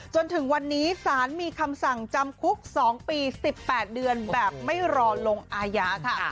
จนถึงวันนี้สารมีคำสั่งจำคุก๒ปี๑๘เดือนแบบไม่รอลงอาญาค่ะ